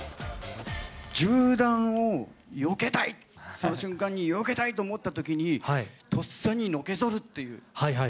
銃弾をよけたい、その瞬間によけたいと思ったときに、とっさにのけぞるっていう。